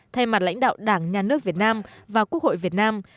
thay mặt lãnh đạo đảng nhà nước việt nam và quốc hội việt nam